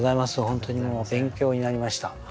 本当にもう勉強になりました。